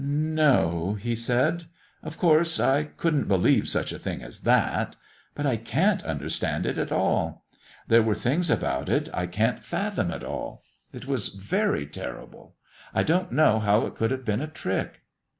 "No," he said, "of course I couldn't believe such a thing as that. But I can't understand it at all. There were things about it I can't fathom at all. It was very terrible. I don't see how it could have been a trick."